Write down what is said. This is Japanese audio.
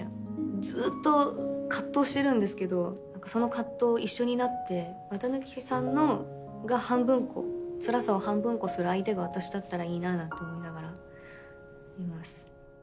ずっと葛藤してるんですけどその葛藤を一緒になって綿貫さんがつらさを半分こする相手が私だったらいいななんて思いながらいます。